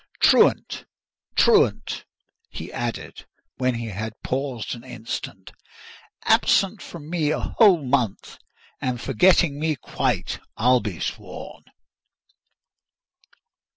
Truant! truant!" he added, when he had paused an instant. "Absent from me a whole month, and forgetting me quite, I'll be sworn!"